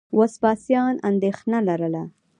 وسپاسیان اندېښنه لرله.